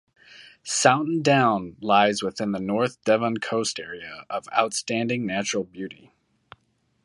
Saunton Down lies within the North Devon Coast Area of Outstanding Natural Beauty.